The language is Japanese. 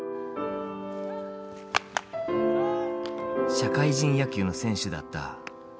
社会人野球の選手だった徹さん。